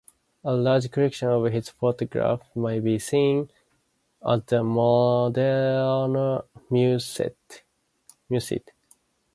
A large collection of his photographs may be seen at the Moderna museet.